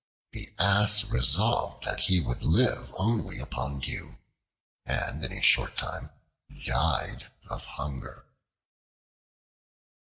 The Ass resolved that he would live only upon dew, and in a short time died of hunger.